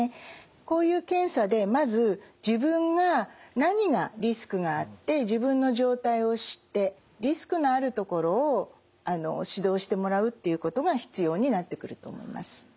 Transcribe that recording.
こういう検査でまず自分が何がリスクがあって自分の状態を知ってリスクのあるところを指導してもらうっていうことが必要になってくると思います。